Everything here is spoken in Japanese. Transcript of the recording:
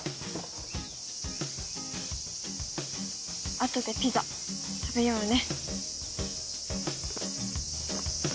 あとでピザ食べようね。